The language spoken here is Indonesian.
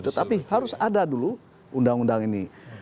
tetapi harus ada dulu undang undang ini